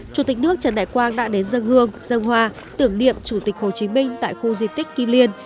chủ tịch nước trần đại quang đã đến dân hương dân hoa tưởng niệm chủ tịch hồ chí minh tại khu di tích kim liên